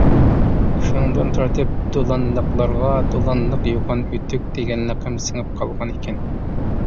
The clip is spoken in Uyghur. شۇندىن تارتىپ، دولانلىقلارغا «دولانلىق يوغان ئۆتۈك» دېگەن لەقەم سىڭىپ قالغانىكەن.